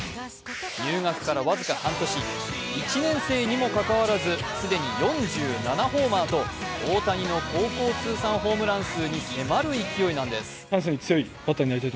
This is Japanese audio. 入学から僅か半年、１年生にもかかわらず既に４７ホーマーと大谷の高校通算数に迫る勢いなんです。